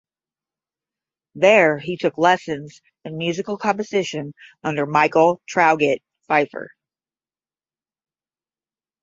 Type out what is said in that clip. There he took lessons in musical composition under Michael Traugott Pfeiffer.